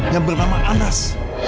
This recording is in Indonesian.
yang bernama anas